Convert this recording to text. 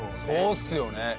そうっすよね。